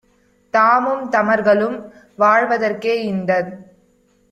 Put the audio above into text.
தாமும் தமர்களும் வாழ்வதற்கே இந்தத்